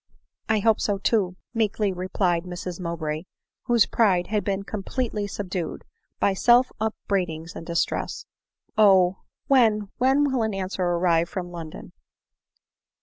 " I hope so too," meekly replied Mrs Mowbray, whose pride had been completely subdued by self upbraidings and distress ; Oh ! when — when will an answer arrive from London